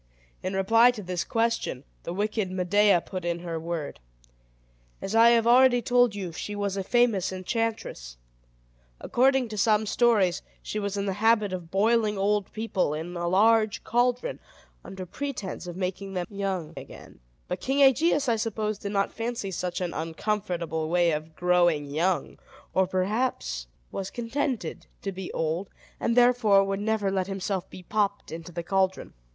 In reply to this question, the wicked Medea put in her word. As I have already told you, she was a famous enchantress. According to some stories, she was in the habit of boiling old people in a large caldron, under pretense of making them young again; but King Aegeus, I suppose, did not fancy such an uncomfortable way of growing young, or perhaps was contented to be old, and therefore would never let himself be popped into the caldron.